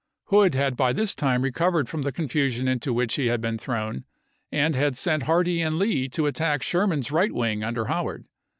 Hood had by this time recovered from the confusion into which he had been thrown, and had sent Hardee and Lee to attack Sherman's right wing under Howard.